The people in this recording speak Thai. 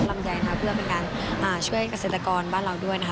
พรามไยเพื่อเป็นการช่วยเกษตรกรบ้านเราด้วย